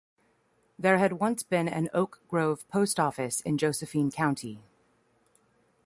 There had once been an Oak Grove post office in Josephine County.